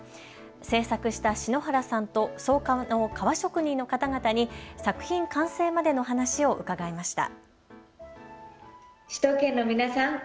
製作した篠原さんと草加の革職人の方々に作品完成までの話を伺いました。